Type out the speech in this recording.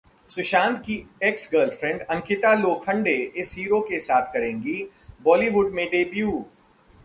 सुशांत की ex girlfriend Ankita Lokhande इस hero के साथ करेंगी बॉलीवुड में डेब्यू